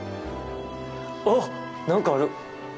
あっ、何かある。